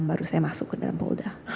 baru saya masuk ke dalam polda